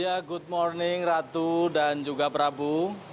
ya good morning ratu dan juga prabu